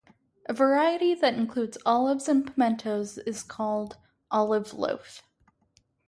A variety that includes olives and pimentos is called olive loaf.